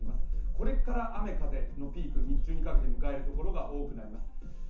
これから雨・風のピーク、日中にかけて迎えるところが多くなります。